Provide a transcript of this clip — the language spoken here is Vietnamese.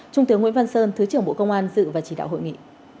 trung tướng nguyễn văn sơn thứ trưởng bộ công an dự và chỉ đạo hội nghị